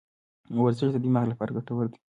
ورزش د دماغ لپاره ګټور دی.